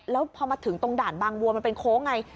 แล้วพอมาถึงตรงด่านบางวัวมันเป็นโค้งไง